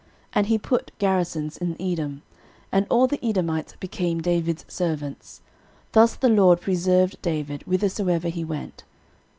13:018:013 And he put garrisons in Edom; and all the Edomites became David's servants. Thus the LORD preserved David whithersoever he went.